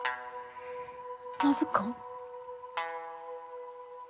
暢子。